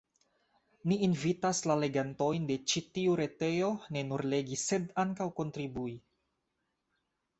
Ni invitas la legantojn de ĉi tiu retejo ne nur legi sed ankaŭ kontribui.